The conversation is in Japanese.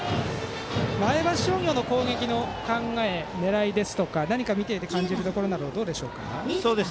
前橋商業の攻撃の考え狙いですとか何か見ていて感じるところどうでしょうか。